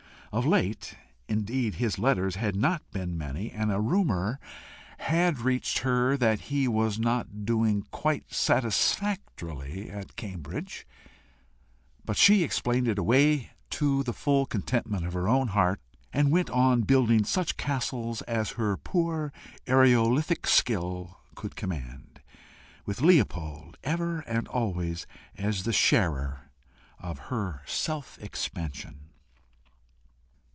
Of late indeed his letters had not been many, and a rumour had reached her that he was not doing quite satisfactorily at Cambridge, but she explained it away to the full contentment of her own heart, and went on building such castles as her poor aerolithic skill could command, with Leopold ever and always as the sharer of her self expansion.